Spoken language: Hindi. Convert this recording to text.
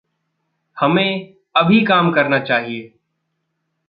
हमें अभी काम करना चाहिए।